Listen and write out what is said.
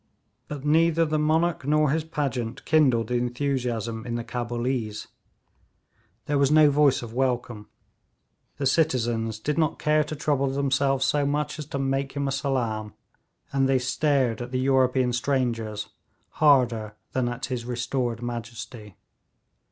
But neither the monarch nor his pageant kindled the enthusiasm in the Cabulees. There was no voice of welcome; the citizens did not care to trouble themselves so much as to make him a salaam, and they stared at the European strangers harder than at his restored majesty.